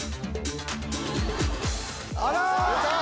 あら！